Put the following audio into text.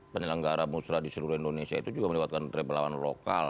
karena musra di seluruh indonesia itu juga melibatkan relawan lokal